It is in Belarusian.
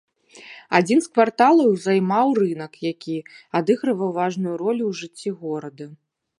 Адзін з кварталаў займаў рынак, які адыгрываў важную ролю ў жыцці горада.